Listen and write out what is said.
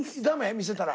見せたら？